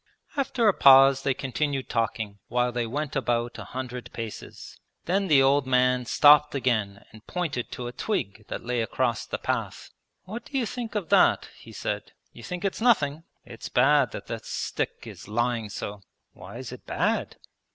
After a pause they continued talking, while they went about a hundred paces. Then the old man stopped again and pointed to a twig that lay across the path. 'What do you think of that?' he said. 'You think it's nothing? It's bad that this stick is lying so.' 'Why is it bad?'